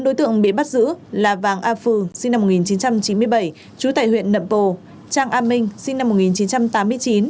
năm đối tượng bị bắt giữ là vàng a phừ sinh năm một nghìn chín trăm chín mươi bảy trú tại huyện nậm bồ trang a minh sinh năm một nghìn chín trăm tám mươi chín